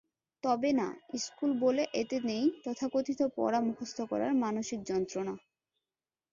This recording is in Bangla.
তবে না, ইশকুল বলে এতে নেই তথাকথিত পড়া মুখস্থ করার মানসিক যন্ত্রণা।